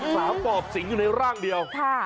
สาวปอบสิงอยู่ในร่างเดียว